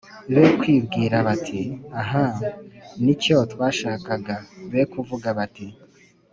Be kwibwira bati”ahaa ni cyo twashakaga”, be kuvuga bati